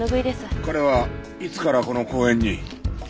彼はいつからこの公園に？